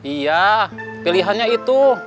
iya pilihannya itu